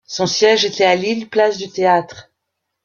Son siège était à Lille, place du Théâtre.